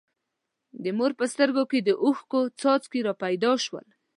د مور په سترګو کې د اوښکو څاڅکي را پیدا شول.